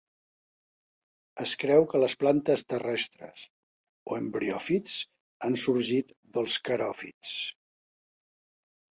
Es creu que les plantes terrestres, o embriòfits, han sorgit dels caròfits.